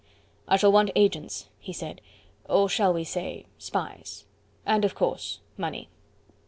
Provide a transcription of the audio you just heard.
"I shall want agents," he said, "or shall we say spies? and, of course, money."